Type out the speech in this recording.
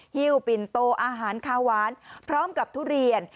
ฮิ้วปินโตอาหารคาวหวานพร้อมกับทุเรียน